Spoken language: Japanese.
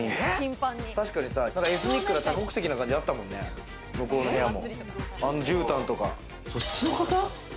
確かにさ、エスニックな多国籍な感じあったもんね、向こうの部屋も。